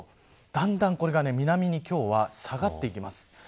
だんだんこれが南に今日は下がっていきます。